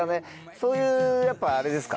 そういうやっぱあれですか？